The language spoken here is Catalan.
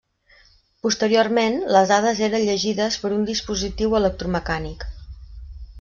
Posteriorment, les dades eren llegides per un dispositiu electromecànic.